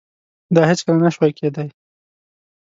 دا هیڅکله نشوای کېدای.